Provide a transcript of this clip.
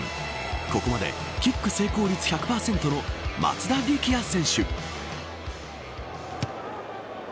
ここまでキック成功率１００％の松田力也選手。